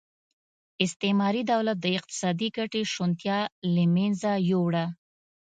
استعماري دولت د اقتصادي ګټې شونتیا له منځه یووړه.